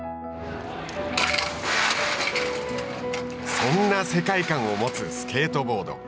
そんな世界観を持つスケートボード。